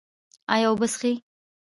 ایا اوبه څښئ؟